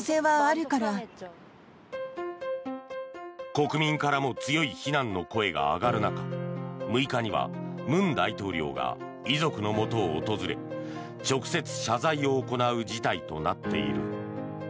国民からも強い非難の声が上がる中６日には文大統領が遺族のもとを訪れ直接、謝罪を行う事態となっている。